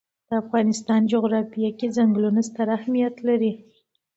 د افغانستان جغرافیه کې چنګلونه ستر اهمیت لري.